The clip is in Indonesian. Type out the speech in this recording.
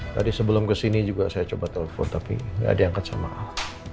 tadi sebelum kesini juga saya coba telepon tapi gak diangkat sama ahok